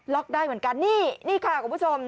ได้เหมือนกันนี่นี่ค่ะคุณผู้ชม